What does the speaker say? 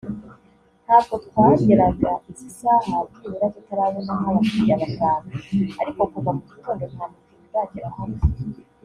ntabwo twageraga izi saha byibura tutarabona nk’abakiliya batanu ariko kuva mu gitondo nta mukiliya uragera hano